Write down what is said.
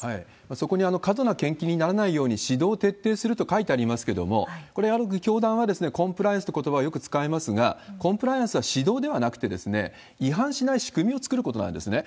そこに過度な献金にならないように、指導徹底すると書いてありますけれども、これ、教団はコンプライアンスってことばをよく使いますが、コンプライアンスは指導ではなくて、違反しない仕組みを作ることなんですね。